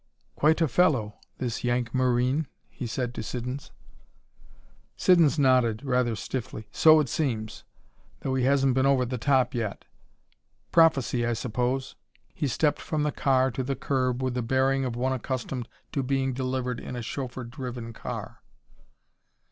"Quite a fellow this Yank Marine," he said to Siddons. Siddons nodded, rather stiffly. "So it seems. Though he hasn't been over the top yet. Prophecy, I suppose." He stepped from the car to the curb with the bearing of one accustomed to being delivered in a chauffeur driven car.